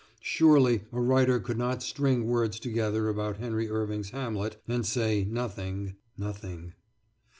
Surely a writer could not string words together about Henry Irving's Hamlet and say nothing, nothing.